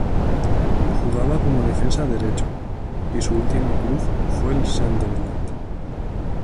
Jugaba como defensa derecho y su último club fue el Sunderland.